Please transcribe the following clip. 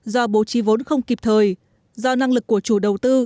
do bố trí vốn không kịp thời do năng lực của chủ đầu tư